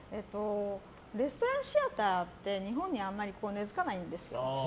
レストランシアターって日本にあんまり根付かないんです。